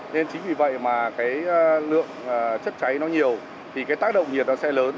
nên chính vì vậy mà cái lượng chất cháy nó nhiều thì cái tác động nhiệt nó sẽ lớn